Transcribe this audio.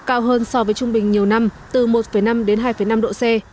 cao hơn so với trung bình nhiều năm từ một năm đến hai năm độ c